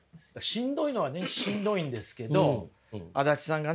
しんどいのはねしんどいんですけど足立さんがね